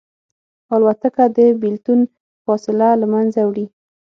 الوتکه د بېلتون فاصله له منځه وړي.